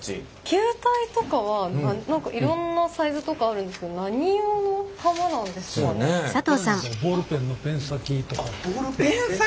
球体とかは何かいろんなサイズとかあるんですけどこれなんかはペン先！？